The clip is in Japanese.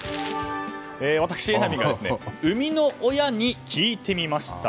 私、榎並が生みの親に聞いてみました。